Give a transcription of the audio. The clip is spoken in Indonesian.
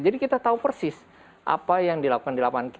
jadi kita tahu persis apa yang dilakukan di lapangan